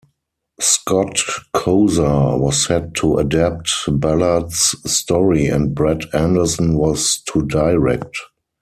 Scott Kosar was set to adapt Ballard's story, and Brad Anderson was to direct.